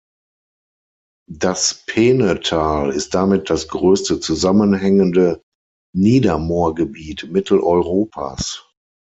Das Peenetal ist damit das größte zusammenhängende Niedermoorgebiet Mitteleuropas.